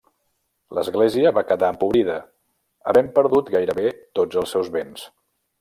L'església va quedar empobrida, havent perdut gairebé tots els seus béns.